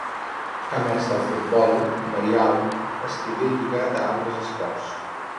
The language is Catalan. A més del futbol, Marial estigué lligat a altres esports.